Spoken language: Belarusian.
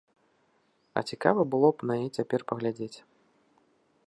А цікава было б на яе цяпер паглядзець.